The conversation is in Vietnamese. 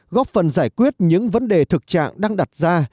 góp phần giải quyết những vấn đề thực trạng đang đặt ra